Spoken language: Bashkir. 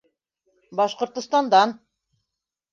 Башҡортостандан.